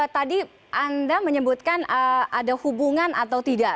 tadi anda menyebutkan ada hubungan atau tidak